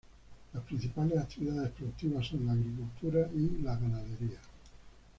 Las principales actividades productivas son la agricultura y la ganadería.